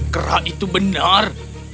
kera itu benar